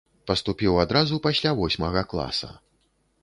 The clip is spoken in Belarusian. Паступіў адразу пасля восьмага класа.